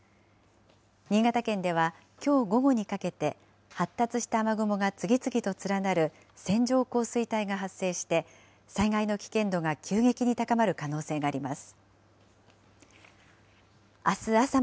新潟県では、きょう午後にかけて、発達した雨雲が次々と連なる線状降水帯が発生して、災害の危険度が急激に高まる可能性があります。